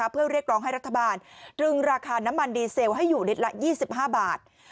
เพื่อเรียกร้องให้รัฐบาลตรึงราคาน้ำมันดีเซลให้อยู่ลิตรละ๒๕บาท